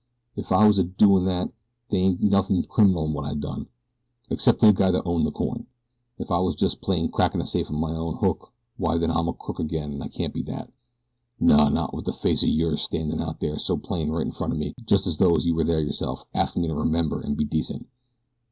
If I was a doin' that they ain't nothin' criminal in what I done except to the guy that owned the coin. If I was just plain crackin' a safe on my own hook why then I'm a crook again an' I can't be that no, not with that face of yours standin' out there so plain right in front of me, just as though you were there yourself, askin' me to remember an' be decent.